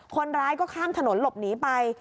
คนร้ายก็ข้ามถนนหลบหนีไป